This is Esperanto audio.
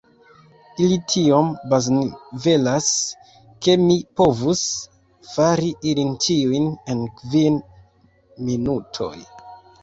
Ili tiom baznivelas, ke mi povus fari ilin ĉiujn en kvin minutoj.